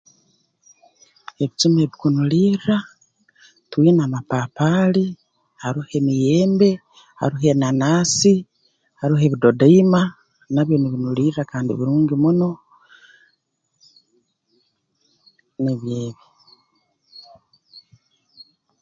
Ebijuma ebikunulirra twine amapapaali aba emiyembe haroho enanaasi haroho ebidodoima nabyo nibinulirra kandi birungi muno nibyo ebi